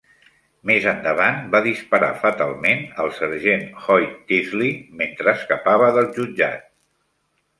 Més endavant va disparar fatalment al sergent Hoyt Teasley mentre escapava del jutjat.